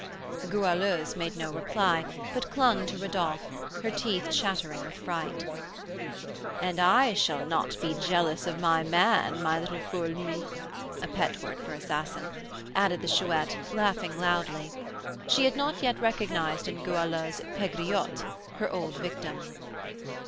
The Goualeuse made no reply, but clung to Rodolph, her teeth chattering with fright. "And I shall not be jealous of my man, my little fourline" (a pet word for assassin), added the Chouette, laughing loudly. She had not yet recognised in Goualeuse "Pegriotte," her old victim.